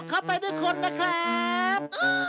เข้าไปด้วยคนนะครับ